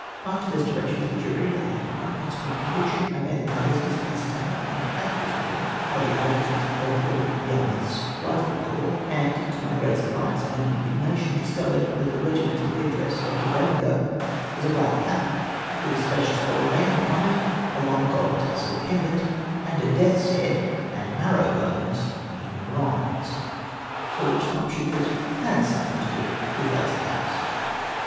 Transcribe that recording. After this direction to the jury and my consequent conviction, I made it my business to ascertain what kind of cap was worn hj the adjutant of Lord Yarmouth's YiHe corps, and, to my great surprise and indignation, discovered tliat the regimental head dress of De Berenger was a black cap ivith a spacious (jold hand upon it, a long gold tassel pendant, and a death's head and marrou' hones in bronze !— so that sharpshooters had something to do mth laced caps.